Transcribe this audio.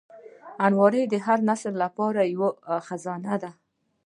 الماري د هر نسل لپاره یوه خزانه ده